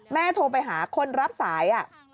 โทรไปหาคนรับสาย